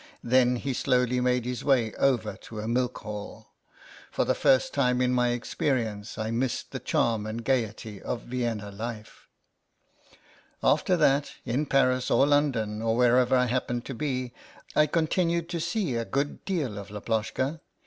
Then he slowly made his way over to a milk hall. For the first time in my experience I missed the charm and gaiety of Vienna life. After that, in Paris or London or wherever 72 THE SOUL OF LAPLOSHKA I happened to be, I continued to see a good deal of Laploshka.